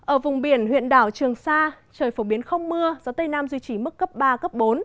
ở vùng biển huyện đảo trường sa trời phổ biến không mưa gió tây nam duy trì mức cấp ba cấp bốn